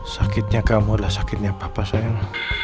sakitnya kamu adalah sakitnya papa saya